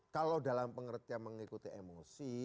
kalau dalam pengertian mengikuti emosi